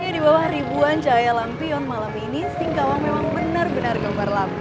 di bawah ribuan cahaya lampion malam ini singkawang memang benar benar gembar lampu